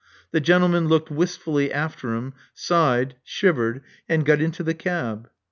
The gentleman looked wistfully after him; sighed; shivered; and got into the cab.